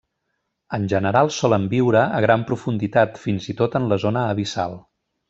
En general solen viure a gran profunditat, fins i tot en la zona abissal.